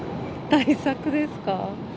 対策ですか？